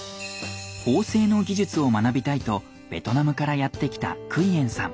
縫製の技術を学びたいとベトナムからやって来たクイエンさん。